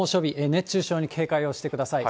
熱中症に警戒をしてください。